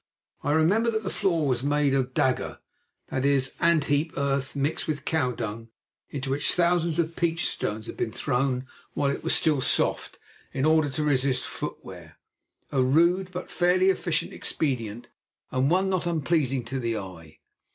I remember that the floor was made of daga, that is, ant heap earth mixed with cow dung, into which thousands of peach stones had been thrown while it was still soft, in order to resist footwear—a rude but fairly efficient expedient, and one not unpleasing to the eye.